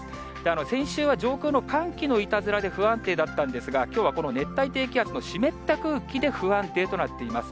先週は上空の寒気のいたずらで不安定だったんですが、きょうはこの熱帯低気圧の湿った空気で不安定となっています。